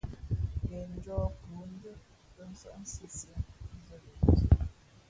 Ghen njᾱᾱ pʉα zǒ ndʉ̄ᾱ tᾱ nsάʼ sisiē nzᾱ yo wúzᾱ.